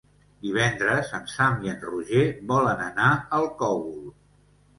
Divendres en Sam i en Roger volen anar al Cogul.